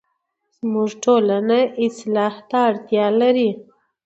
زموږ ټولنه اصلاح ته ډيره اړتیا لري